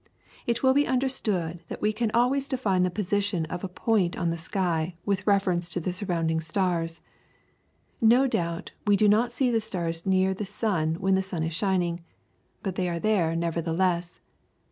It will be understood that we can always define the position of a point on the sky with reference to the surrounding stars. No doubt we do not see the stars near the sun when the sun is shining, but they are there nevertheless.